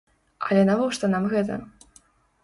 Але навошта нам гэта?